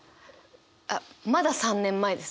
あっまだ３年前です。